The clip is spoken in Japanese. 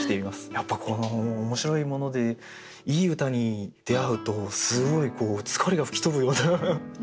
やっぱり面白いものでいい歌に出会うとすごい疲れが吹き飛ぶような。